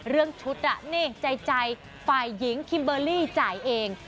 เรื่องชุดนี่ใจฝ่ายหญิงคิมเบอร์รี่จ่ายเอง